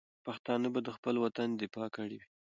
پښتانه به د خپل وطن دفاع کړې وي.